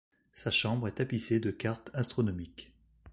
Sa chambre est tapissée de cartes astronomiques.